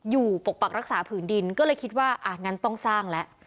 ปกปักรักษาผืนดินก็เลยคิดว่าอ่ะงั้นต้องสร้างแล้ว